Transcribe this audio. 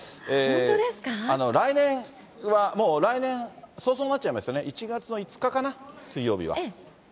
来年はもう、来年、早々になっちゃいますよね、１月の５日かな、水曜日は。